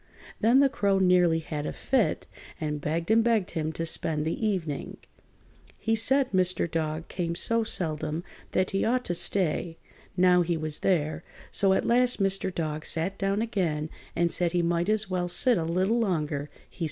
Then the Crow nearly had a fit and begged and begged him to spend the evening. He said Mr. Dog came so seldom that he ought to stay, now he was there, so at last Mr. Dog sat down again and said he might as well sit a little longer, he s'posed.